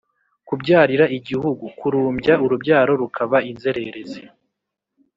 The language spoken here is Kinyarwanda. kubyarira igihugu: kurumbya urubyaro rukaba inzererezi